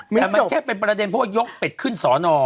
แต่มันแค่เป็นประเด็นเพราะว่ายกเป็ดขึ้นสอนอ